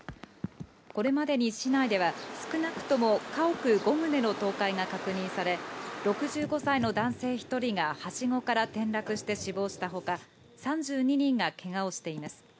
これまでに市内では少なくとも家屋５棟の倒壊が確認され、６５歳の男性１人がはしごから転落して死亡したほか、３２人がけがをしています。